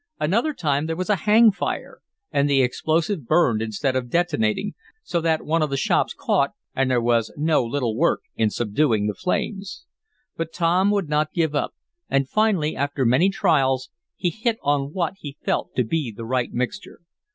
Another time there was a hang fire, and the explosive burned instead of detonating, so that one of the shops caught, and there was no little work in subduing the flames. But Tom would not give up, and finally, after many trials, he hit on what he felt to be the right mixture.